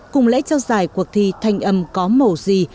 cùng lễ trao giải cuộc thi thanh âm có mổ gì